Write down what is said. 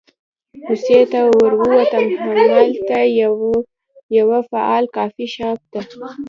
کوڅې ته ور ووتم، همالته یوه فعال کافي شاپ ته.